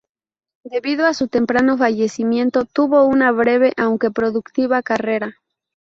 Debido a su temprano fallecimiento, tuvo una breve aunque productiva carrera.